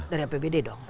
dari apbd dong